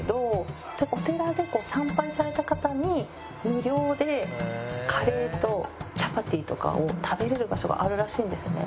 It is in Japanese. お寺で参拝された方に無料でカレーとチャパティとかを食べられる場所があるらしいんですね。